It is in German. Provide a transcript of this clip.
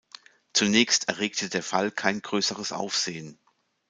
Zunächst erregte der Fall kein größeres Aufsehen.